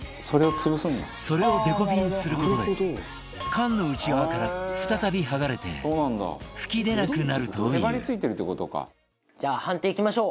それをデコピンする事で缶の内側から再び剥がれて噴き出なくなるというじゃあ判定いきましょう。